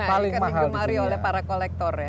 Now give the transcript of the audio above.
ikan lingkungan ari oleh para kolektor ya